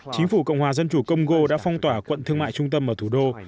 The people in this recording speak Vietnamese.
chính phủ cộng hòa dân chủ congo đã phong tỏa quận thương mại trung tâm ở thủ đô